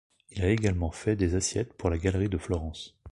Il a également fait des assiettes pour la Galerie de Florence.